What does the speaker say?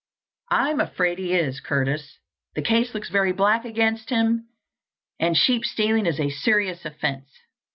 "I'm afraid he is, Curtis. The case looks very black against him, and sheep stealing is a serious offence."